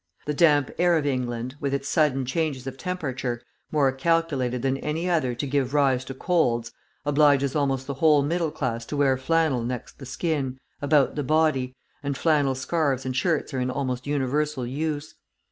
The damp air of England, with its sudden changes of temperature, more calculated than any other to give rise to colds, obliges almost the whole middle class to wear flannel next the skin, about the body, and flannel scarfs and shirts are in almost universal use.